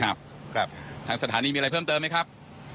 ทางสถานีมีอะไรเพิ่มเติมไหมครับ